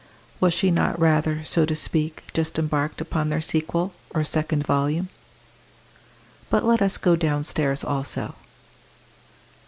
Was she not rather, so to speak, just embarked upon their sequel, or second volume? But let us go downstairs also.